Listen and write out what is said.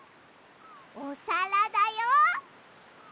おさらだよ！